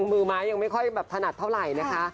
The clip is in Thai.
มือมาก็ไม่ค่อยถนัดเท่าไหร่นะคะ